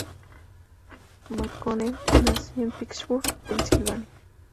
McConnell nació en Pittsburgh, Pensilvania.